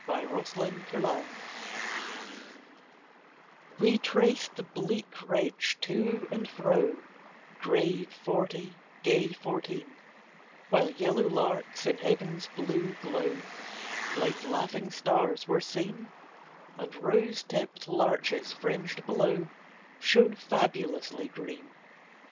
22 The Train of Life We traced the bleak ridge, to and fro, Grave forty, gay fourteen ; While yellow larks, in heaven's blue glow, Like laughing stars were seen, And rose tipp'd larches, fringed below, Shone fabulously green.